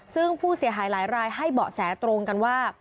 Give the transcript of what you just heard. ซึ่งผู้เสียหายหลายรายให้เบาะแสตรงกันว่า